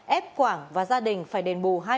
ép quảng và gia đình phải đền bù